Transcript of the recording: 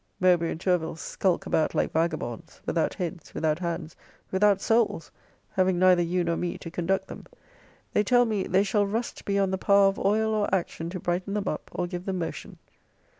Mowbray and Tourville skulk about like vagabonds, without heads, without hands, without souls; having neither you nor me to conduct them. They tell me, they shall rust beyond the power of oil or action to brighten them up, or give them motion.